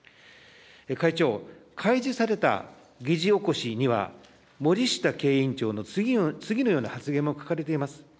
会長、開示された議事起こしには、森下経営委員長の次のような発言も書かれています。